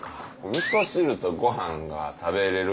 みそ汁とご飯が食べれる。